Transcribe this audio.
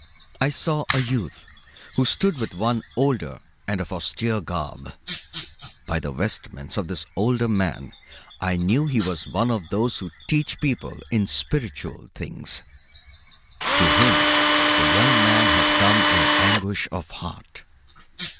I saw a youth who stood with one older and of austere garb. By the vestments of this older man I knew he was of those who teach people in spiritual things. To him the young man had come in anguish of heart.